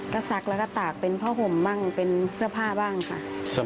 ก็ซักแล้วก็ตากเป็นผ้าห่มบ้างเป็นเสื้อผ้าบ้างค่ะ